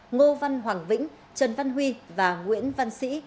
ngô văn hoàng vĩnh trần văn huy và nguyễn văn sĩ